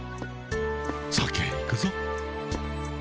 先へ行くぞ。